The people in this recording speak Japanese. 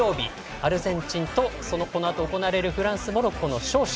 アルゼンチンとこのあと行われるフランス、モロッコの勝者。